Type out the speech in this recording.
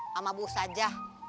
sama bu saja